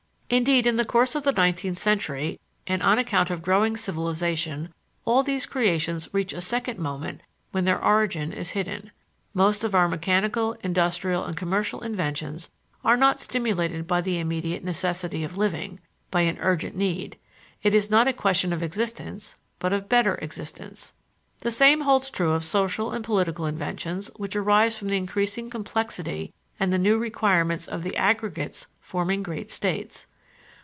Indeed, in the course of the nineteenth century and on account of growing civilization all these creations reach a second moment when their origin is hidden. Most of our mechanical, industrial and commercial inventions are not stimulated by the immediate necessity of living, by an urgent need; it is not a question of existence but of better existence. The same holds true of social and political inventions which arise from the increasing complexity and the new requirements of the aggregates forming great states.